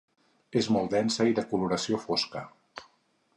És molt densa i de coloració fosca.